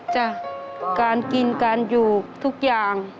จ้ะการกินการอยู่ทุกอย่าง